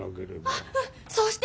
あっうんそうして。